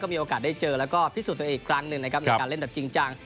มีโอกาสได้เจอแล้วก็พิสูจน์ตัวเองอีกครั้งหนึ่งนะครับในการเล่นแบบจริงจัง